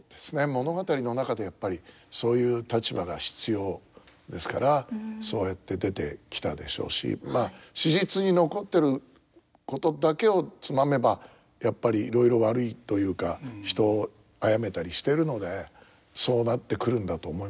物語の中でやっぱりそういう立場が必要ですからそうやって出てきたでしょうしまあ史実に残ってることだけをつまめばやっぱりいろいろ悪いというか人を殺めたりしてるのでそうなってくるんだと思いますけど。